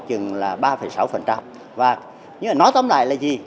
nhưng mà nói tóm lại là gì